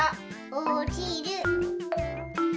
おちる。